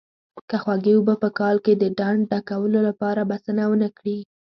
که خوږې اوبه په کال کې د ډنډ ډکولو لپاره بسنه ونه کړي.